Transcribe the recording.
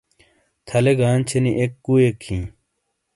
تھلے گانچھے نی اک کوئیک ہیں۔